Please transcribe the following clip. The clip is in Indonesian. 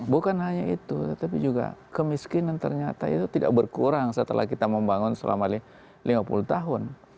bukan hanya itu tapi juga kemiskinan ternyata itu tidak berkurang setelah kita membangun selama lima puluh tahun